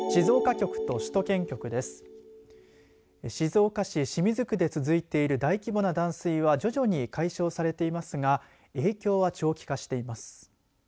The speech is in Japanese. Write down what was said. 静岡市清水区で続いている大規模な断水は徐々に解消されていますが影響は長期化しています。